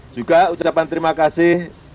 juga ucapan terima kasih kepada tni dan polri